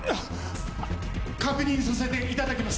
確認させていただきます。